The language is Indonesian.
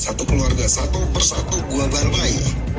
satu keluarga satu persatu gue bantai